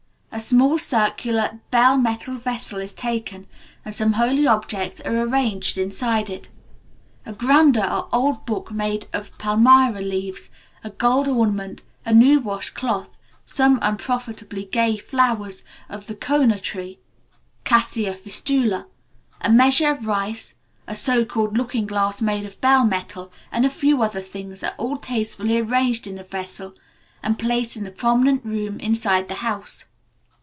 A small circular bell metal vessel is taken, and some holy objects are arranged inside it. A grandha or old book made of palmyra leaves, a gold ornament, a new washed cloth, some 'unprofitably gay' flowers of the konna tree (Cassia Fistula), a measure of rice, a so called looking glass made of bell metal, and a few other things, are all tastefully arranged in the vessel, and placed in a prominent room inside the house.